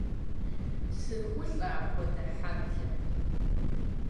СыхулӀэ апхуэдэ хьэблэ!